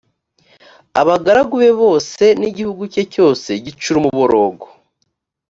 abagaragu be bose, n’igihugu cye cyose gicura umuborogo: